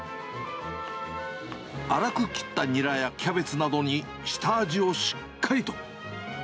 粗く切ったニラやキャベツなどに下味をしっかりと。